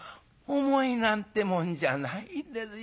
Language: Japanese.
「重いなんてもんじゃないですよ。